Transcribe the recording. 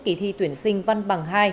kỳ thi tuyển sinh văn bằng hai